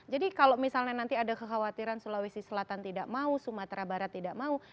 jadi kalau misalnya nanti ada kekhawatiran sulawesi selatan tidak mau sumatera barat tidak mau